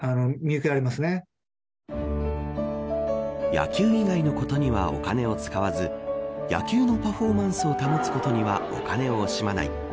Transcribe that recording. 野球以外のことにはお金を使わず野球のパフォーマンスを保つことにはお金を惜しまない。